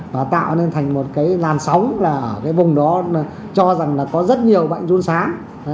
và tạo nên thành một cái làn sóng là ở cái vùng đó cho rằng là có rất nhiều bệnh run sán